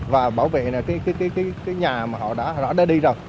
và bảo vệ nhà họ đã đi rồi